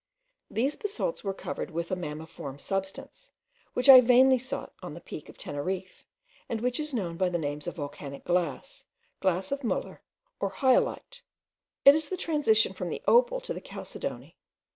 These basalts were covered with a mammiform substance, which I vainly sought on the Peak of Teneriffe, and which is known by the names of volcanic glass, glass of Muller, or hyalite: it is the transition from the opal to the chalcedony.